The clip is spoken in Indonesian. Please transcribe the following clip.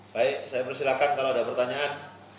baik saya persilahkan kalau ada pertanyaan